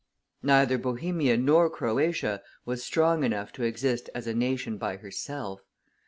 Neither Bohemia nor Croatia was strong enough to exist as a nation by herself.